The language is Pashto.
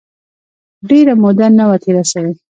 ډېره موده نه وه تېره سوې.